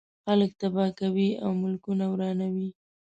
خلک تباه کوي او ملکونه ورانوي.